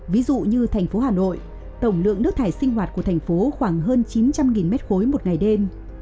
ví dụ như thành phố hà nội tổng lượng nước thải sinh hoạt của thành phố khoảng hơn chín trăm linh m ba một ngày đêm